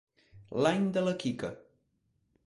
L'any de la Quica.